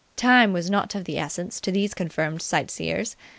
Time was not of the essence to these confirmed sightseers.